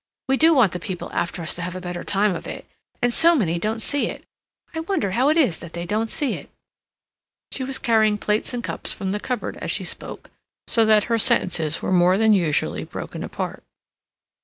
We do want the people after us to have a better time of it—and so many don't see it. I wonder how it is that they don't see it?" She was carrying plates and cups from the cupboard as she spoke, so that her sentences were more than usually broken apart.